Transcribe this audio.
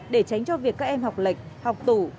để tránh cho việc các em học lệch học tủ